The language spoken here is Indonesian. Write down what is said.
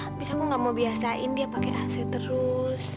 habis aku gak mau biasain dia pakai ac terus